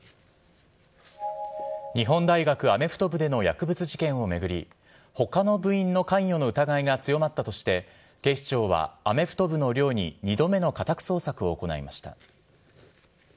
日本大学アメフト部での薬物事件を巡り、ほかの部員の関与の疑いが強まったとして、警視庁はアメフト部の寮に２度目の家宅捜索を行いました。